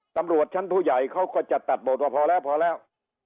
ตำรวจชั้นผู้ใหญ่เขาก็จะตัดบทว่าพอแล้วพอแล้ว